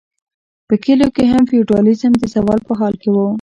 په کلیو کې هم فیوډالیزم د زوال په حال و.